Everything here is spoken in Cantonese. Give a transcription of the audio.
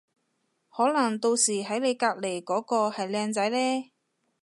可能到時喺你隔離嗰個係靚仔呢